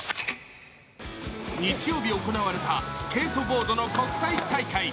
日曜日行われたスケートボードの国際大会。